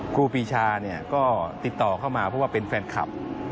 ครูปีชาเนี่ยก็ติดต่อเข้ามาเพราะว่าเป็นแฟนคลับ